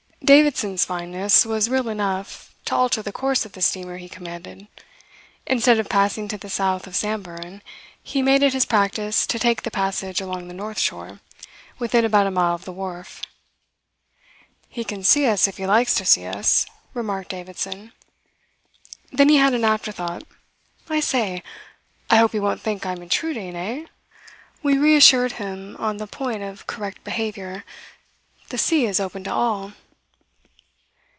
Davidson's fineness was real enough to alter the course of the steamer he commanded. Instead of passing to the south of Samburan, he made it his practice to take the passage along the north shore, within about a mile of the wharf. "He can see us if he likes to see us," remarked Davidson. Then he had an afterthought: "I say! I hope he won't think I am intruding, eh?" We reassured him on the point of correct behaviour. The sea is open to all.